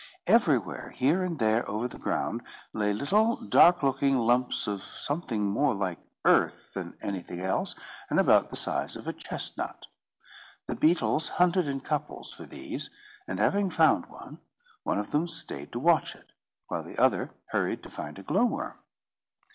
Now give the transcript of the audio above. Everywhere, here and there over the ground, lay little, dark looking lumps of something more like earth than anything else, and about the size of a chestnut. The beetles hunted in couples for these; and having found one, one of them stayed to watch it, while the other hurried to find a glowworm.